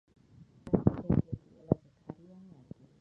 უკრაინის ერთ-ერთი ყველაზე ქარიანი ადგილია.